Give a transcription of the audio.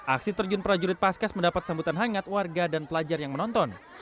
aksi terjun prajurit paskas mendapat sambutan hangat warga dan pelajar yang menonton